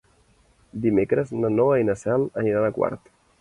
Dimecres na Noa i na Cel aniran a Quart.